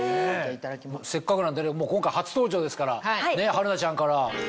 せっかくなんで今回初登場ですから春菜ちゃんから。